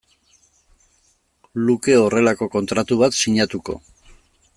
luke horrelako kontratu bat sinatuko.